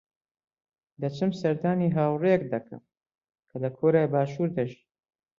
دەچم سەردانی هاوڕێیەک دەکەم کە لە کۆریای باشوور دەژی.